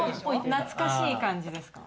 懐かしい感じですか？